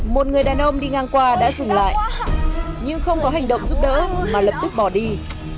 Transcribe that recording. một người đàn ông đi ngang qua đã dừng lại nhưng không có hành động giúp đỡ mà lập tức bỏ đi